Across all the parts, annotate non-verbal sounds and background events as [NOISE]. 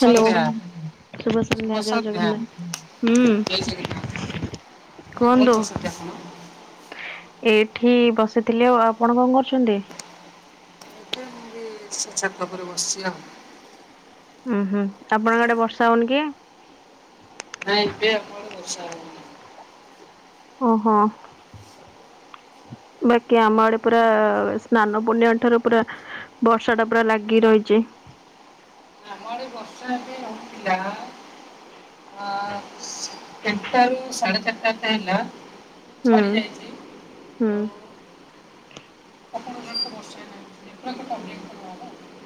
ଶୁଭ ସନ୍ଧ୍ୟା। ଶୁଭ ଶୁଭସନ୍ଧ୍ୟା ଜୟେ ସନ୍ଧ୍ୟା ଜଗନ୍ନାଥ ହୁଁ। ଜୟ ଜଗନ୍ନାଥ ଏ କଣ କୁହନ୍ତୁ କରୁଛନ୍ତି ଆପଣ? ଏ ଏଠି ବସିଥିଲି ଆଉ ଆପଣ କଣ କରୁଛନ୍ତି? ଏଇ ଆସି ଛାତ ଉପରେ ବସଚି ଆଉ। ଉଁହୁଁ ଆପଣଙ୍କ ଆଡେ ବର୍ଷା ହୋଉନି କି? ନାଇଁ ଏବେ ଆମ ଆଡେ ବର୍ଷା ଆଉ ନାହିଁ। ଓହୋ। ହ [INAUDIBLE] ବାକି ଆମ ଆଡେ ପୁରା ସ୍ନାନ ପୂର୍ଣ୍ଣିମା ଠାରୁ ପୁରା ବର୍ଷା ଟା ପୁରା ଲାଗି ରହିଚି। ଆମ ଆଡ଼େ ବର୍ଷା ଏବେ ରହିଥିଲା। ଅ ସ୍ ତିଣ୍ଟାରୁ ସାଢ଼େ ଚାର୍ଟା ଯାତେ ହେଲା। ହୁଁ ଛାଡି ଯାଇଛି ହୁଁ। ଆଉ ଆପଣଙ୍କ ଗାଁରେ ତ ବର୍ଷା ନାହିଁ ନେଟୱାର୍କ ପ୍ରୋବ୍ଲେମ ତ ନୁହେଁ ନା।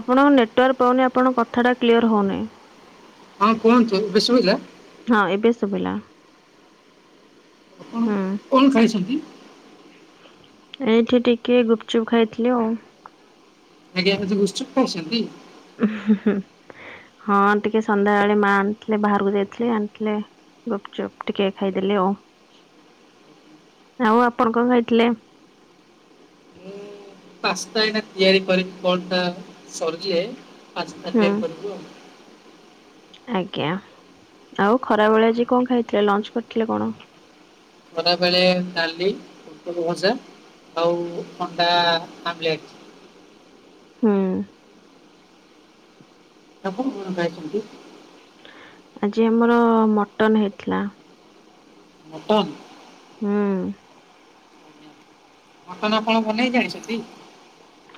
ଆପଣଙ୍କ ନେଟୱାର୍କ ପାଉନି ଆପଣଙ୍କ କଥା ଟା କ୍ଲିଅର ହୋଉନେଇଁ। ହଁ କୁହନ୍ତୁ ଏବେ ସୁବିଲା? ହଁ ଏବେ ସୁବିଲା। ଆପଣ କଣ ଖାଇଛନ୍ତି? ଏଇଠି ଟିକେ ଗୁପଚୁପ ଖାଇଥିଲି ଆଉ। ଆଜ୍ଞା [UNINTELLIGIBLE] [INAUDIBLE] ହଁ ଟିକେ ସନ୍ଧ୍ୟାବେଳେ ମା ଆଣିଥିଲେ ବାହାରକୁ ଯାଇଥିଲେ ଆଣିଥିଲେ। ଗୁପଚୁପ୍ ଟିକେ ଖାଇଦେଲି ଆଉ। ହଁ ଆଉ ଆପଣ କଣ ଖାଇଥିଲେ? ମୁଁ ପାସ୍ତା ଏଇନେ ତିଆରି କରିବୁ କଣଟା [UNINTELLIGIBLE] ପାସ୍ତା ହୁଁ ତିଆରି କରିବୁ ଆଉ। ଆଜ୍ଞା ଆଉ ଖରା ବେଳେ ଆଜି କଣ ଖାଇଥିଲେ ଲଞ୍ଚ କରିଥିଲେ କଣ? ଖରାବେଳେ ଡାଲି, ପୋଟଳ ଭଜା ଆଉ ଅଣ୍ଡା ଆମଲେଟ୍ ହୁଁ। ଆପଣ କଣ ଖାଇଛନ୍ତି? ଆଜି ଆମର ମଟନ ହେଇଥିଲା। ମଟନ୍! ହୁଁ ମଟନ ଆପଣ ବନେଇ ଜାଣିଛନ୍ତି?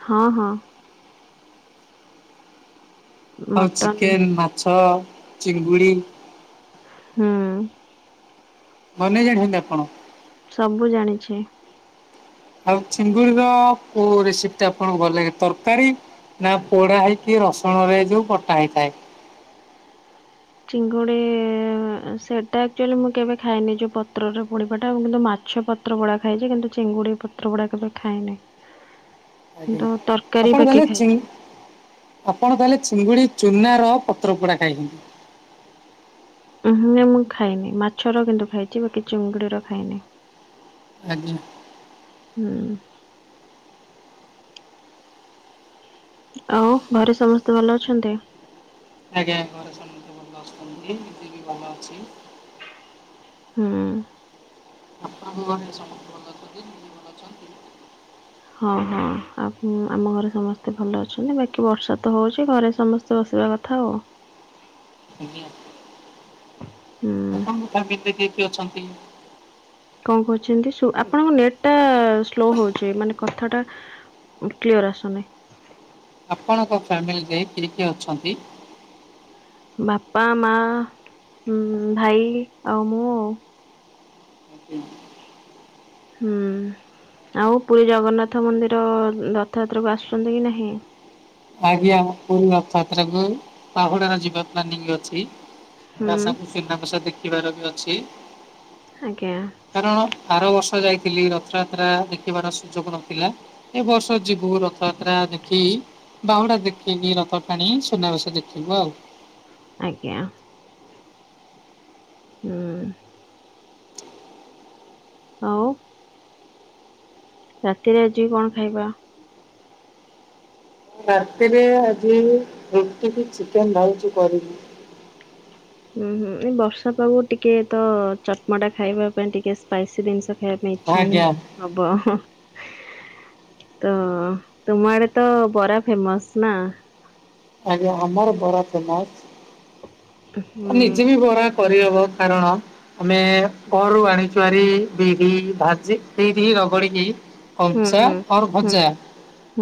ହଁ ହଁ। ଆଉ ମଟନ ଚିକେନ, ମାଛ, ଚିଙ୍ଗୁଡି ହୁଁ। ବନେଇ ଜାଣିଛନ୍ତି ଆପଣ? ସବୁ ଜାଣିଛି। ଆଉ ଚିଙ୍ଗୁଡିର କୋଉ ରେସିପିଟା ଆପଣଙ୍କୁ ଭଲ ଲାଗେ ତରକାରୀ ନା ପୋଡା ହେଇକି ରସୁଣରେ ଯୋଉ ବଟା ହେଇଥାଏ? ଚିଙ୍ଗୁଡି ଅ ସେଟା ଆକଚୁଆଲି ମୁଁ କେବେ ଖାଇନି ଯୋଉ ପତ୍ରରେ ପୋଡିବାଟା କିନ୍ତୁ ମା ଛ ପତ୍ର ପୋଡା ଖାଇଛି କିନ୍ତୁ ଚିଙ୍ଗୁଡି ପତ୍ର ପୋଡା କେବେ ଖାଇନାହିଁ। ଆଜ୍ଞ ଆପଣ ବାକି କହିଲେ ଖାଇଛି। ଚିଙ୍ଗ ଆପଣ ତାହେଲେ ଚିଙ୍ଗୁଡି ଚୁନାର ପତ୍ରପୋଡା ଖାଇଛନ୍ତି। ଉଁ ହୁଁ ନାଇଁ ମୁଁ ଖାଏନି ମାଛର କିନ୍ତୁ ଖାଇଛି ବାକି ଚିଙ୍ଗୁଡିର ଖାଇନି। ଆଜ୍ଞା। ହୁଁ। ଆଉ ଘରେ ସମସ୍ତେ ଭଲ ଅଛନ୍ତି? ଆଜ୍ଞା ଘରେ ଭଲ ଆସୁଛନ୍ତି [UNINTELLIGIBLE] ବି ଭଲ ଅଛି। ହୁଁ। ଆପଣଙ୍କ ଘରେ ସମସ୍ତେ ଭଲ ଅଛନ୍ତି ଟି [UNINTELLIGIBLE] ଭଲ ଅଛନ୍ତି? ହଁ ହଁ ଆପ୍ ଆମ ଘରେ ସମସ୍ତେ ଭଲ ଅଛନ୍ତି ବାକି ବର୍ଷା ତ ହଉଛି ଘରେ ସମସ୍ତେ ବସ୍ [UNINTELLIGIBLE] କଥା ଆଉ। ଆଜ୍ଞା ହୁଁ ଆପଣଙ୍କ ଫ୍ୟାମିଲିରେ କିଏ କିଏ ଅଛନ୍ତି? କଣ କହୁଛନ୍ତି ଶୁ ଆପଣଙ୍କ ନେଟ୍ ଟା ସ୍ଲୋ ହଉଛି ମାନେ କଥାଟା କ୍ଲିଅର ଆଶୁନାହିଁ। ଆପଣଙ୍କ ଫ୍ୟାମିଲିରେ କିଏ କିଏ ଅଛନ୍ତି? ବାପା ମା ଉଁ ଭାଇ ଆଉ ମୁଁ ଆଉ। ହୁଁ। ଆଉ ପୁରୀ ଜଗନ୍ନାଥ ମନ୍ଦିର ରଥଯାତ୍ରାକୁ ଆସୁଛନ୍ତି କି ନାହିଁ। ଆଜ୍ଞା ପୁରୀ ରଥଯାତ୍ରାକୁ ବାହୁଡାର ଯିବା ପ୍ଲାନିଂ ଅଛି। ତା ହୁଁ ସାଙ୍ଗୁକୁ ସୁନା ବେଶ ଦେଖିବାର ବି ଅଛି। ଆଜ୍ଞା କାରଣ ଆର ବର୍ଷ ଥରେ ଯାଇଥିଲି ରଥଯାତ୍ରା ଦେଖିବାର ସୁଯୋଗ ନଥିଲା ଏ ବର୍ଷ ଯିବୁ ରଥଯାତ୍ରା ଦେଖି ବାହୁଡା ଦେଖିକି ରଥ ଟାଣି ସୁନାବେଶ ଦେଖିବୁ ଆଉ। ଆଜ୍ଞା। ହୁଁ। ଆଉ ରାତିରେ ଆଜି କଣ ଖାଇବା? ରାତିରେ ଆଜି ରୁଟି କି ଚିକେନ ଭାବୁଚି କରିବି। ହୁଁ ହୁଁ ଏଇ ବର୍ଷା ପାଗକୁ ଟିକେ ତ ଚଟମଟା ଖାଇବା ପାଇଁ ଟିକେ ସ୍ପାଇସି ଦିନିଷ ଖାଇବା ପାଇଁ ଇଚ୍ଛା ହିଁ ଆଜ୍ଞା। ହବ ହ। ତ ତୁମ ଆଡେ ତ ବରା ଫେମସ ନା। ଆଜ୍ଞା ଆମର ବରା ଫେମସ ହୁଁ ନିଜେ ବି ବରା କରିହବ। କାରଣ ଆମେ କରରୁ ଆଣି ଚୁଆରି ବିରି ଭାଜି ସେଇଠି ରଗଡିକି ହୁଁ କଞ୍ଚା ହୁଁ ଆଉ ହୁଁ ଭଜା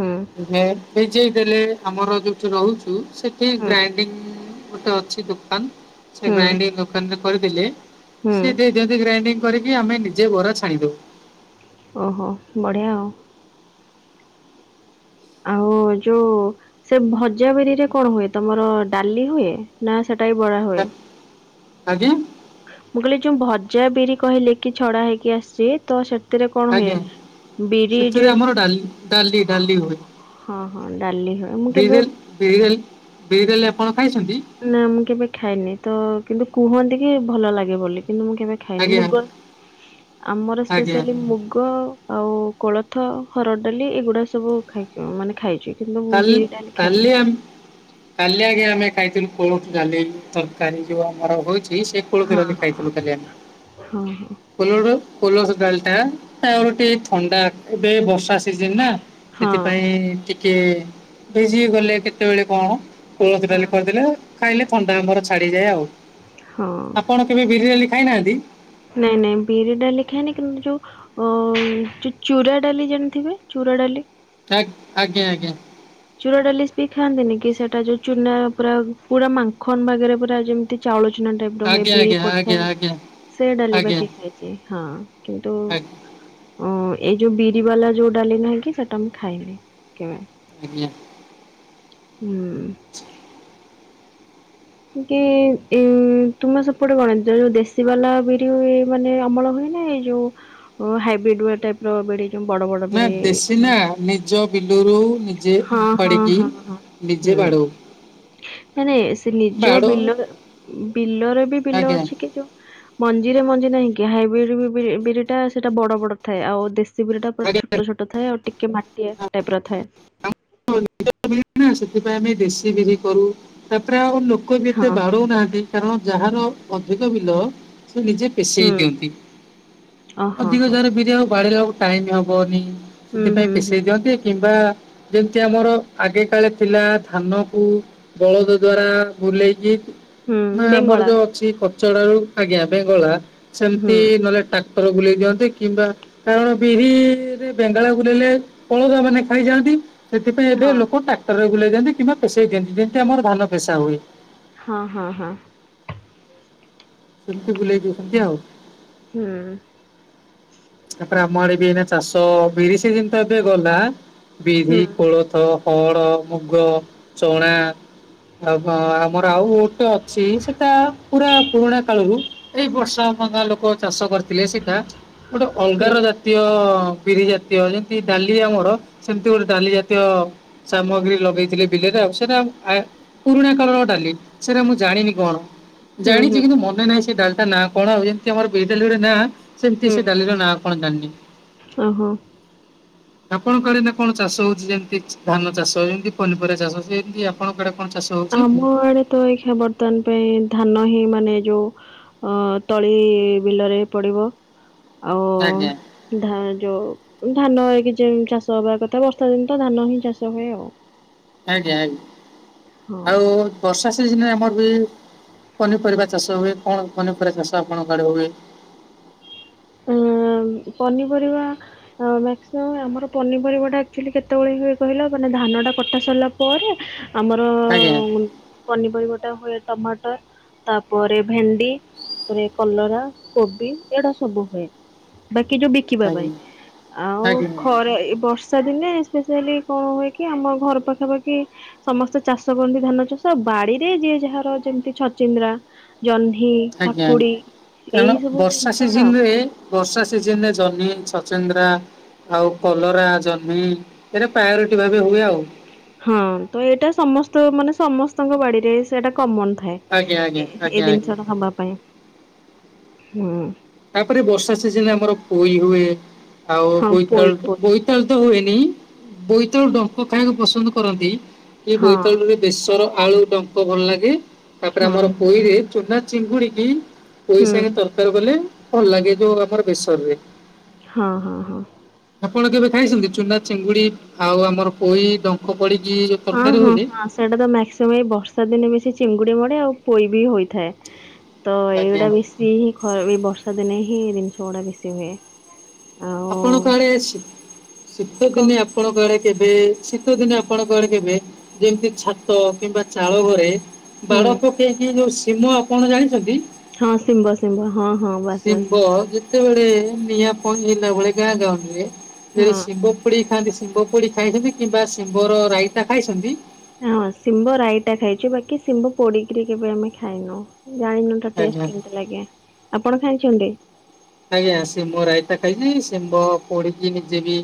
ହୁଁ ଏ ହେଯେଇ ଦେଲେ ଆମର ଯୋଉଠି ରହୁଛୁ ସେଠି ହୁଁ ଗ୍ରାଇଣ୍ଡିଙ୍ଗ ଗୋଟେ ଅଛି ଦୋକାନ୍ ସେ ହୁଁ ଗ୍ରାଇଡିଙ୍ଗ ଦୋକାନରେ କରିଦିଲେ ହୁଁ ସିଏ ଦେଇ ଦିଅନ୍ତି ଗ୍ରାଇଣ୍ଡିଙ୍ଗ କରିକି ଆମେ ନିଜେ ବରା ଛାଣିଦଉ। ଓହୋ ବଢ଼ିଆଉ। ଆଉ ଯୋଉ ସେ ଭଜା ବିରିରେ କଣ ହୁଏ ତମର ଡାଲି ହୁଏ ନା ସେଟା ବରା ହଏ? ଆଜ୍ଞା। ମୁଁ କଲି ଯୋଉ ଭଜା ବିରି କହିଲେ କି ଛଡା ହେଇକି ଆସଛି ତ ସେ ଭିତରେ କଣ ଆଜ୍ଞା ହୁଏ ବିରି ସେଥିରେ ଯଏ ଆମର ଡାଲି ଡାଲି ଡାଲି ହୁଏ। ହଁ-ହଁ ଡାଲି ହୁଏ ମୁଁ କେବେ ବିରେଲ ବିରେଲ ବିରେଲ ଆପଣ ଖାଇଛନ୍ତି? ନା ମୁଁ କେବେ ଖାଇନି ତ କିନ୍ତୁ କୁହନ୍ତି କି ଭଲ ଲାଗେ ବୋଲି। କିନ୍ତୁ ମୁଁ କେବେ ଖାଇନି ଆଜ୍ଞା ମୁଗ ଆମର ଆଜ୍ଞା ସ୍ପେଶାଲି ମୁଗ ଆଉ କୋଳଥ ହର ଡାଲି ଏଗୁଡା ସବୁ ଖାଇଚୁ ମାନେ ଖାଇଛି। କାଲ୍ କଲିଆମ୍ କାଲି ଆଜ୍ଞା ଆମେ ଖାଇଥିଲୁ କୋଳଥ ଡାଲି ତରକାରୀ ଯୋଉ ଆମର ହୋଇଛି ଶେ କୋଳଥ ହଁ ଡାଲି ଖାଇ ଥିଲୁ କାଲି ଆମେ ହଁ ହଁ କୋଲୋଡ କୋଲଥ ଡାଲ୍ ଟା-ଟା ଗୋଟିଏ ଥଣ୍ଡା ବେ ବଷା ଚିଜିନ୍ ନା ହଁ ସେଥିପାଇଁ ଟିକେ ଭିଜି ଗଲେ କେତେବେଳେ କଣ କୋଳଥ ଡାଲି ହଁ। ହଁ କରିଦେଲେ ଖାଇଲେ ଥଣ୍ଡା ଆମର ଛାଡିଯାଏ ଆଉ ଆପଣ କେବେ ବିରି ଡାଲି ଖାଇ ନାହାନ୍ତି? ନାଇଁ-ନାଇଁ ବିରି ଡାଲି ଖାନି କିନ୍ତୁ ଯୋଉ ଅ ଯୋଉ ଚୁ-ଚୁରା ଡାଲି ଜେମ୍ତି ହୁଏ ର ଡାଲି ଆଗ୍ ଆଜ୍ଞ-ଆଜ୍ଞା। ଚୁରା ଡାଲି ବି ଖାଆନ୍ତିନି କି ସେଟା ଯୋଉ ଚୁନା ପୁରା-ପୁରା ମାଙ୍କନ ବାଗରେ ପୁରା ଯେମିତି ଚାଉଳ ଚୁନା ଟାଇପ୍ ର ହୁଏ ବିରି ଆଜ୍ଞା ଆଜ୍ଞା ପଡିଥାଏ ଆଜ୍ଞା ସେ ଡାଲି ଆଜ୍ଞା ବାକି ଖାଇଛି ହଁ। କିନ୍ତୁ ଆଜ୍ଞା ଓ ଏଇ ଯୋଉ ବିରି ବାଲା ଯୋଉ ଡାଲି ନାହିଁ କି ସେଟା ମୁଁ ଖାଇନି କେବେ। [UNINTELLIGIBLE] ହୁଁ। କି ଉଁ ତୁମେ ସେପଟେ ଗଣ ଯୋଉ ଦେଶୀ ବାଲା ବିରି ହୁଏ ମାନେ ଅମଳ ହୁଏ ମାନେ ଯୋଉ ହାଇବ୍ରିଡ ୱେ ଟାପ୍ର ବିଡି ନା ଦେଶୀନା ନିଜ ବିଲୁରୁ ନିଜେ ହଁ ହଁ ପାଡିକି ନିଜେ ପାଡୁ ନା-ନାଇ ସେ ନିଜ ବିଲ ବିଲର ବି ବିଲ ଆଜ୍ଞା ଅଛି କି ଯୋଉ ମଞ୍ଜି ରେ ମଞ୍ଜି ନାହିଁ କି ହାଇବିଡି ବି-ବିଡି ବିରି ଟା ସେଟା ବଡ-ବଡ ଥାଏ ଆଉ ଦେ ଶେ ବିରି ଟା ପୁରା ଆଜ୍ଞା ଛୋଟ ଛୋଟ ଥାଏ ଆଉ ଟିକେ ମାଟିଆ ଟାଇପ୍ ର ଥାଏ। ସେଥିପାଇଁ ଆମେ ଦେଶୀ ବିରି କରୁ ତାପରେ ଆଉ ଲୋ କ ବି ହଁ ଏତେ ହଁ ବାରୁ ନାହାଁନ୍ତି କାରଣ ଯାହାର ଅଧିକ ବିଲ ସେ ନିଜେ ପେଷେଇ ହୁଁ ଦିଅନ୍ତି ଓ ହଁ ଅଧିକ ହଁ ଯହାର ବିରି ଆଉ ବାଡେଇଲା ଏଳକୁ ଟାଇମ୍ ହବନି। ହୁଁ ସେଥିପାଇଁ ହୁଁ ହୁଁ। ପିସେଇ ଦିଅନ୍ତି କିମ୍ବା ଯେମ୍ତି ଆମର ଆଗେ କାଳେ ଥିଲା ଧାନ କୁ ବଳଦ ଦ୍ଵାରା ବୁଲେଇକି ନା ହୁଁ ଆମର ବେଙ୍ଗଳା ଯୋଉ ଅଛି କଚଡ ରୁ ଆଜ୍ଞା ବେଙ୍ଗଳା ହୁଁ ସେମ୍ତି ନ ହେଲେ ଟା ପର ବୁଲେଇ ଦିଅନ୍ତି କିମ୍ବା କାରଣ ବିରିରେ ବେଙ୍ଗଳା ଘୁରେଇଲା ଅଳକା ମାନେ ଖାଇଯାଆନ୍ତି ସେଥିପାଇଁ ଏବେ ହଁ ଲୋକ ଟାକ୍ଟରରେ ବୁଲେଇ ଦିଅନ୍ତି କିମ୍ବା ପେସେଇ ଦିଅନ୍ତି ଯେମ୍ତି ଆମର ଧାନ ପେସା ହୁଏ। ହଁ-ହଁ-ହଁ। ସେମ୍ତି ବୁଲେଇ ଦିଛନ୍ତି ଆଉ। ହୁଁ। ତାପରେ ଆମ ଆଡେ ବି ଏଇନା ଚାଷ ବିରି ସିଜିନ୍ ତ ଏବେ ଗଲା ବିରି ହୁଁ କୋଳୋଥ ହଡ, ମୁଗ, ଚଣା ଆଉ ବ ଆମର ଆଉ ଗୋଟେ ଅଛି ସେଟା ପୁରା ପୁରୁଣା କାଳୁରୁ ଏଇ ବର୍ଷ ଆମ ଗାଁ ଲୋକୋ ଚାଷ କରିଥିଲେ ସେଟା ଗୋଟେ ହୁଁ ଅଲଗାର ଜାତୀୟ ବିରି ଜାତୀୟ ଯେମିତି ଡାଲି ଆମର ସେମିତି ଗୋଟେ ଡାଲି ଜାତୀୟ ସାମଗ୍ରୀ ଲଗେଇଥିଲେ ବିଲେରେ ଉ ସେଟା ଆଏ ପୁରୁଣାକାଳର ଡାଲି ସେଟା ମୁଁ ଜାଣିନି କଣ। ହୁଁ ଜାଣିଚି ହୁଁ କିନ୍ତୁ ମନେ ନାହିଁ ସେ ଡାଲିଟା ନାଁ କଣ ଆଉ ଯେମିତି ଆମର ବିରି ଡାଲି ଗୋଟେ ନାଁ ସେମିତି ହୁଁ ସେ ଡାଲିର ନାଁ କଣ ଜାଣିନି। ଓହୋ। ଆପଣଙ୍କ ଆଡେ ଏଇନା କଣ ଚାଷ ହୋଉଚି ଯେମତି ଧାନ ଚାଷ ଯେମିତି ପନିପରିବା ଚାଷ ସେମିତି ଆପଣଙ୍କ ଆଡ଼େ ଆମ ଆଡେ ତ ଏଖାଁ ବର୍ତ୍ତମାନ ପାଇଁ ଧାନ ହେ ମାନେ ଯୋଉ ଅଁ ତଳି ବିଲରେ ପଡିବ ଆଉ ଆଜ୍ଞା। ଧାଁ ଯୋଉ ଧାନ ହେଇକି ଯୋଉ ଚାଷ ହବା କଥା ବର୍ଷା ଦିନ ତ ଧାନ ହିଁ ଚାଷ ହୁଏ ଆଉ। ଆଜ୍ଞା ଆଜ୍ଞା ହଁ। ଆଉ ବର୍ଷ ର୍ଷା ସିଯିନରେ ଆଡେ ହୁଏ ପନିପରିବା ଚାଷ ହୁଏ। କଣ ପନିପରିବା ଚାଷ ଆପଣଙ୍କ ଆଡ଼େ ହୁଏ? [INAUDIBLE] ଉଁ ପନିପରିବା ଆଁ ମ୍ୟାକ୍ସିମମ ଆମର ପନିପରିବା ଟା ଆକ୍ଚୋଲି କେତେବୋଳେ ହୁଏ କହିଲ ମାନେ ଧାନ ଟା କଟା ସାରିଲା ପରେ ଆମର ଆଜ୍ଞା ପନିପରିବାଟା ହୋଏ ଟମାଟର ତାପରେ ଭେଣ୍ଡି ତାପରେ କଲରା କୋବି ଏଗୁଡା ସ ସବୁ ହୋଏ ବାକି ଯୋଉ ବିକିବା ପାଇଁ ଆଜ୍ଞା ଆଉ ଆଜ୍ଞା ଖରା ଏଇ ବର୍ଷା ଦିନେ ସ୍ପେସିଆଲି କଣ ହୁଏ କି ଆମ ଘର ପାଖାପାଖି ସମସ୍ତେ ଚାଷ କରନ୍ତି ଧାନ ଚାଷ ଆଉ ବାଡିରେ ଯିଏ ଯାହାର ଯେମିତି ଛଚିନ୍ଦ୍ରା ଜହ୍ନି କାକୁଡି ଏଇ ସବୁ ଜିନ୍ ସିଜିନ ରେ ବର୍ଷା ସିଜିନ ରେ ଜହିଁ ଛଚିନ୍ଦ୍ରା ଆଉ କଲରା ଜହିଁ ଏରା ପାୟୋରୋଟି ଭବେ ହୁଏ ଆଉ ହଁ ତ ଏଟା ସମସ୍ତ ମାନେ ସମସ୍ତଙ୍କ ବାଡିରେ ସେଟା କମନ ଆଜ୍ଞା ଆଜ୍ଞା ଥାଏ ଏ ଏ ଆଜ୍ଞା ଆଜ୍ଞା। ଦିନ୍ସଟା ହବା ପାଇଁ ହୁଁ ତାପରେ ବର୍ଷା ସିଜିନରେ ଆମର ପୋଇ ହୁଏ ଆଉ ହଁ ପୋଇ ବୋଇତାଳୁ ପୋଇ ବୋଇତାଳୁ ତ ହୁଏନି ହିଁ ବୋଇତାଳୁ ଡଙ୍କ ଖାଇବାକୁ ପସନ୍ଦ କରନ୍ତି କିଏ ହଁ ବୋଇତାଳୁରେ ବେସର ଆଳୁ ଡଙ୍କ ଭଲ ଲାଗେ ତାପରେ ହଁ ଆମର ପୋଇରେ ଚୁନା ଚିଙ୍ଗୁଡିକି ପୋଇ ହୁଁ ସାଙ୍ଗେ ତରକାରୀ କଲେ ଭଲ ଲାଗେ ଯୋଉ ଆମର ବେସର ରେ ହଁ ହଁ ହଁ ଆପଣ କେବେ ଖାଇଛନ୍ତି ଚୁନା ଚିଙ୍ଗୁଡି ଆଉ ଆମର ପୋଇ ଡଙ୍କ? ପଡିକି ଯୋଉ ହଁ ତରକାରୀ ହଁ ହୁଏ? ହଁ ସେଇଟା ତ ମାକ୍ସିଅମ୍ ଏଇ ବର୍ଷା ଦିନେ ବେଶୀ ଚିଙ୍ଗୁଡି ମ ଲେ ଆଉ ପୋଇ ବି ହୋଇଥାଏ ତ ଆଜ୍ଞା ଏଇଗୁଟା ବେଶୀ ହିଁ ଖ ଏଇ ବର୍ଷା ଦିନେ ହିଁ ଛ ଡା ବେଶି ହୁଏ। ଆଉ ଆପଣଙ୍କ ଆଡେ ଶୀ ଶୀତ କ ଦିନେ ଆପଣଙ୍କ ଆଡେ କେବେ ଶୀତ ଦିନେ ଆପଣଙ୍କ ଆଡ଼େ କେବେ ଯେମିତି ଛାତ କିମ୍ବା ଚାଳ ଘରେ ହୁଁ ବାଡ ପକେଇକି ଯୋଉ ସୀମ ଆପଣ ଜାଣିଛନ୍ତି? ହଁ ଶିମ୍ବ ଶିମ୍ବ ହଁ ହଁ ବାସ୍ ବାସ୍। ତେବେଳେ ନିଆଁ ପହିଁହେଲା ବୋଳେ ଗାଁ ଗାଉଁଲିରେ ଯେଳେ ହଁ। ସିମ୍ବ ପୋଡି ଖାଆନ୍ତି ଶିମ୍ବ ପୋଡିକି ଖାଇଛନ୍ତି କିମ୍ବା ଶିମ୍ବର ରାଇତା ଖାଇଛନ୍ତି। ହଁ ଶିମ୍ବ ରାଇଟା ଖାଇଛିୁ ବାକି ଶିମ୍ବ ପୋଡିକିରି କେବେ ଆମେ ଖାଇନୁ। ଜାଣିନୁ ତା ଆଜ୍ଞା ଟେଷ୍ଟ କେମିତି ଲାଗେ ଆପଣ ଖାଇଛନ୍ତି? ଆଜ୍ଞା ଶିମ ରାଇତା ଖାଇଚି ଶିମ୍ବ ପୋଡିକି ନିଜେ ବି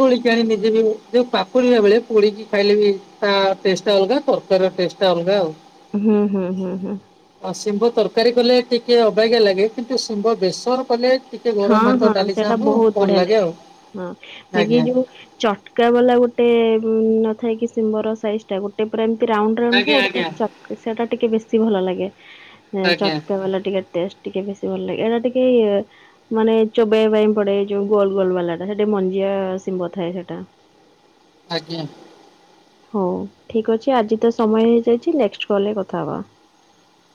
ତୋଳିକି ଆଣି ନିଜେ ବି ମୁଁ ଯୋଉ ପାକୁଳିଆ ବେଳେ ପୋଡିକି ଖାଇଲେ ବି ତା ଟେଷ୍ଟ ଅଲଗା ତରକାରୀର ଟେଷ୍ଟଟା ଅଲଗା ଆଉ। ହୁଁ ହୁଁ ହୁଁ ହୁଁ। ଅ, ଶିମ୍ବ ତରକାରୀ କଲେ ଟିକେ ଅବାଗିଆ ଲାଗେ କିନ୍ତୁ ଶିମ୍ବ ବେସର କଲେ ଟିକେ ଗରମ ହଁ ଭାତ ହଁ ଡାଲି ସେଟା ସାଙ୍ଗକୁ ବହୁତ ଭଲ ବଢିଆ ଲାଗେ ଆଉ। ହଁ ବାକି ଆଜ୍ଞା ଯୋଉ ଚଟକା ବାଲା ଗୋଟେ ଥାଏ କିି ଶିମ୍ବ ର ସାଇଜ ଗୋଟେ ପୁରା ଏମିତି ଗୋଟେ ପୁରା ରାଉଣ୍ଡ ରାଉଣ୍ଡ ଥାଏ ଆଜ୍ଞା ଆଉ ଗୋଟେ ଆଜ୍ଞା ଚାଟକା ସେଟା ଟିକେ ବେଶୀ ଭଲ ଲାଗେ ଆଜ୍ଞା ଚଟକା ବାଲା ଟିକେ ଟେଷ୍ଟ। ଟିକେ ବେଶୀ ଭଲ ଲାଗେ ଏଇଟା ଟିକେ ମାନେ ଚୋବେେଇବା ପାଇଁ ପଡେ ଯୋଉ ଗୋଲ ଗୋଲ ବାଲା ଟା ସେଟା ମଞ୍ଜିଆ ଶିମ୍ବ ଥାଏ ସେଟା ଆଜ୍ଞା। ହଉ ଠିକ୍ ଅଛି ଆଜି ତ ସମୟ ହେଇଯାଇଛି ନେକ୍ସ କଲେ କଥା ହବା।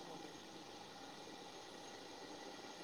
[INAUDIBLE]